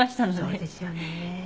そうですよね。